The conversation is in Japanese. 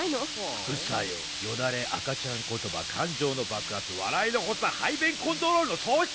「副作用よだれ赤ちゃん言葉感情の爆発笑いの発作排便コントロールの喪失」